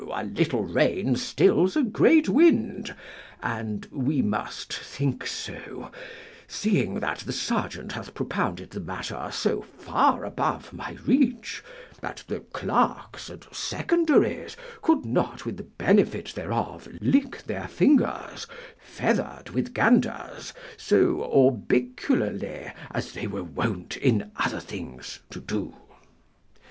a little rain stills a great wind, and we must think so, seeing that the sergeant hath propounded the matter so far above my reach, that the clerks and secondaries could not with the benefit thereof lick their fingers, feathered with ganders, so orbicularly as they were wont in other things to do.